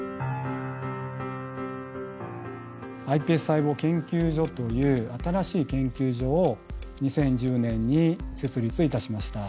ｉＰＳ細胞研究所という新しい研究所を２０１０年に設立いたしました。